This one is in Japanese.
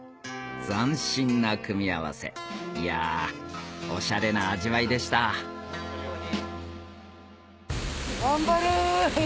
斬新な組み合わせいやオシャレな味わいでした頑張れ！